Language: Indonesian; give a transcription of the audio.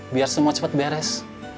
biar semua cepat beres